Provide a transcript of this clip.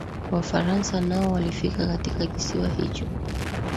Wafaransa nao walifika katika kisiwa hicho